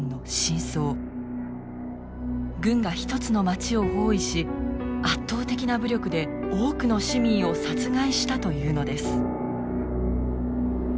軍が一つの町を包囲し圧倒的な武力で多くの市民を殺害したというのです。